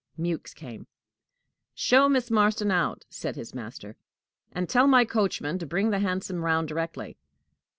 Mewks came. "Show Miss Marston out," said his master; "and tell my coachman to bring the hansom round directly."